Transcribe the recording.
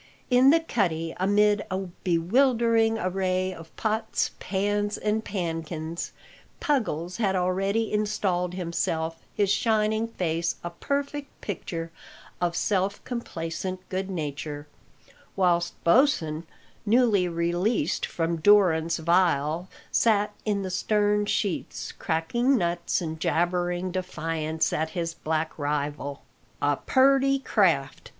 In the cuddy, amid a bewildering array of pots, pans, and pannkins, Puggles had already installed himself, his shining face a perfect picture of self complacent good nature, whilst Bosin, newly released from durance vile, sat in the stern sheets, cracking nuts and jabbering defiance at his black rival. "A purty craft!"